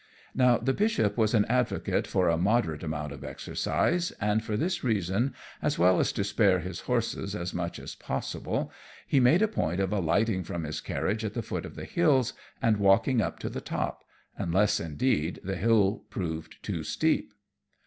Now the Bishop was an advocate for a moderate amount of exercise, and for this reason, as well as to spare his horses as much as possible, he made a point of alighting from his carriage at the foot of the hills, and walking up to the top, unless, indeed, the hill proved too steep.